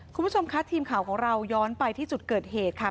คุณผู้ชมคะทีมข่าวของเราย้อนไปที่จุดเกิดเหตุค่ะ